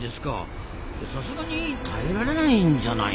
さすがに耐えられないんじゃないの？